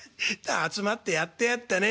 集まってやってやったね」。